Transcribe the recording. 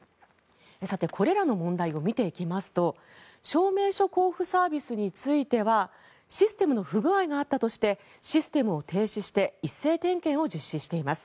さて、これらの問題を見ていきますと証明書交付サービスについてはシステムの不具合があったとしてシステムを停止して一斉点検を実施しています。